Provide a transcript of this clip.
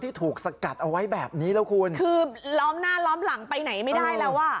ถูกสกัดเอาไว้แบบนี้แล้วคุณคือล้อมหน้าล้อมหลังไปไหนไม่ได้แล้วอ่ะ